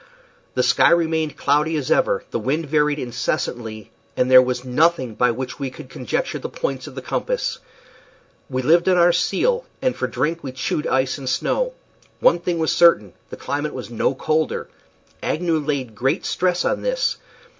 The sky remained as cloudy as ever, the wind varied incessantly, and there was nothing by which we could conjecture the points of the compass. We lived on our seal, and for drink we chewed ice and snow. One thing was certain the climate was no colder. Agnew laid great stress on this.